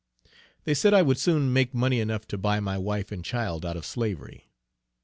They said I would soon make money enough to buy my wife and child out of slavery.